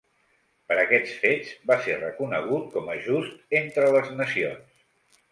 Per aquests fets, va ser reconegut com a Just entre les Nacions.